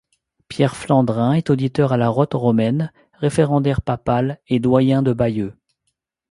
Pierre Flandrin est auditeur à la Rote romaine, référendaire papal et doyen de Bayeux.